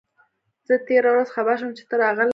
زه تېره ورځ خبر شوم چي ته راغلی یې.